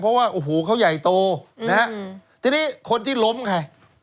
เพราะว่าโอ้โหเขาใหญ่โตนะฮะทีนี้คนที่ล้มไง